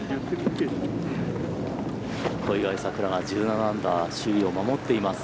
小祝さくらが１７アンダー首位を守っています。